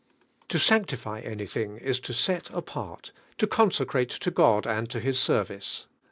TO sanctify anything is to set apart, to consecrate, to God and to His set vice.